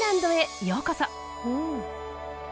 うん。